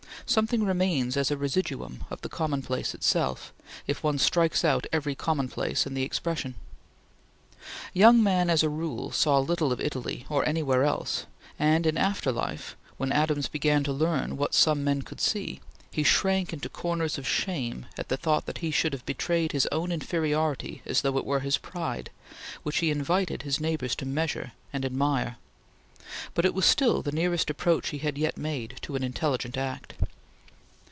Something remains as a residuum of the commonplace itself, if one strikes out every commonplace in the expression. Young men as a rule saw little in Italy, or anywhere else, and in after life when Adams began to learn what some men could see, he shrank into corners of shame at the thought that he should have betrayed his own inferiority as though it were his pride, while he invited his neighbors to measure and admire; but it was still the nearest approach he had yet made to an intelligent act.